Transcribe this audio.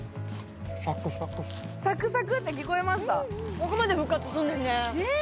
ここまで復活すんねんね